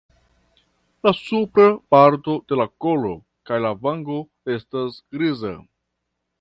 La supra parto de la kolo kaj la vango estas griza.